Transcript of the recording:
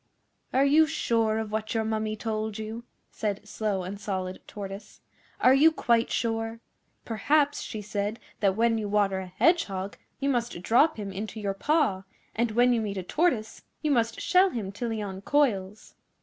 'Are you sure of what your Mummy told you?' said Slow and Solid Tortoise. 'Are you quite sure? Perhaps she said that when you water a Hedgehog you must drop him into your paw, and when you meet a Tortoise you must shell him till he uncoils.